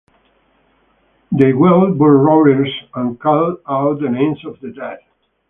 They whirl bullroarers and call out the names of the dead.